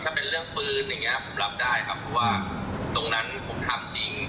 ถ้าเป็นเรื่องปืนอย่างนี้ผมรับได้ครับเพราะว่าตรงนั้นผมทำจริง